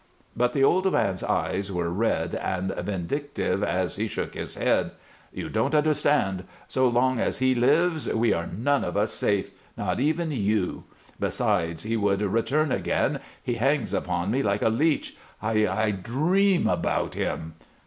But the old man's eyes were red and vindictive as he shook his head. "You don't understand. So long as he lives we are none of us safe, not even you. Besides, he would return again; he hangs upon me like a leech. I I dream about him."